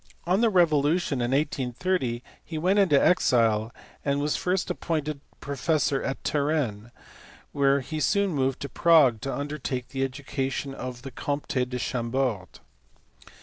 On the revolution in 1830 he went into exile, and was first appointed professor at Turin, whence he soon moved to Prague to undertake the education of the Comte de Chambord.